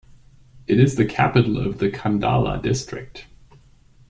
It is the capital of the Qandala District.